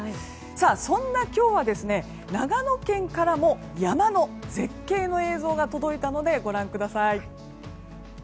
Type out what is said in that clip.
そんな今日は長野県からも山の絶景の映像が届いたのでご覧ください。